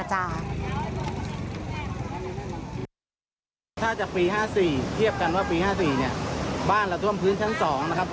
ถ้าจากปีห้าสี่เทียบกันว่าปีห้าสี่เนี่ยบ้านเราท่วมพื้นชั้นสองนะครับ